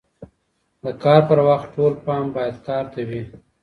د کار پر وخت ټول پام باید کار ته وي.